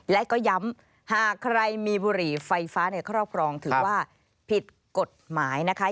และก็ย้ำหากใครมีบุหรี่ไฟฟ้าในครอบครองถือว่าผิดกฎหมายนะคะ